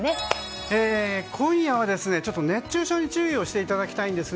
今夜は熱中症に注意をしていただきたいんです。